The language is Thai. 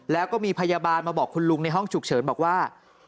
แล้วก็มีพยาบาลมาบอกคุณลุงในห้องฉุกเฉินบอกว่า